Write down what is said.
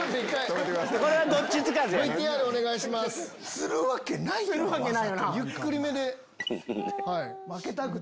するわけないよな。